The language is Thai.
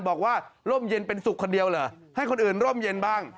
บอกว่าร่มเย็นเป็นสุขคนเดียวเหรอให้คนอื่นร่มเย็นบ้าง